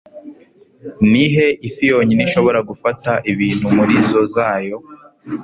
Nihe Ifi Yonyine ishobora gufata ibintu murizo zayo?